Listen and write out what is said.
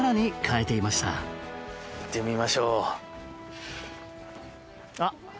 行ってみましょう。